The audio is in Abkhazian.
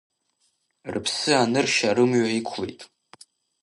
Рыԥсы аныршьа, рымҩа иқәлеит.